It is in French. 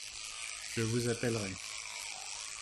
Je vous appellerai.